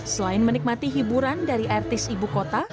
selain menikmati hiburan dari artis ibu kota